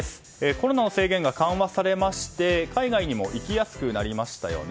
コロナの制限が緩和されまして海外にも行きやすくなりましたね。